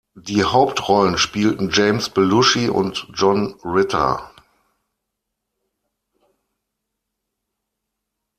Die Hauptrollen spielten James Belushi und John Ritter.